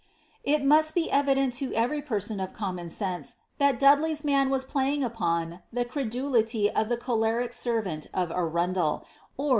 • It must be evident to every person of common sense, that Dudley's man was playing upon the credulity of the clioleric servant of Arundel, •^r.